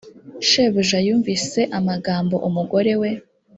shebuja yumvise amagambo umugore we